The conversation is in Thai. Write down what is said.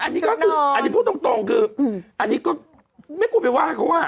อันนี้ก็คือพูดตรงคืออันนี้ก็ไม่กลัวไปว่าเขาว่า